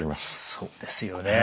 そうですよね。